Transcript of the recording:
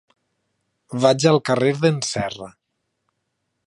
Vaig al carrer d'en Serra.